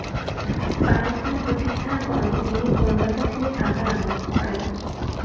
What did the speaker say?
পাকিস্তান প্রতিষ্ঠার পরে তিনি কলকাতা ছেড়ে ঢাকায় আগমন করেন।